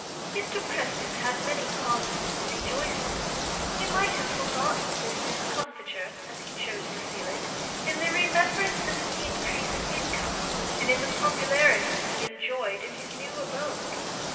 Mr. Preston had many causes for rejoicing: he might have forgotten this discomfiture, as he chose to feel it, in the remembrance of an increase of income, and in the popularity he enjoyed in his new abode.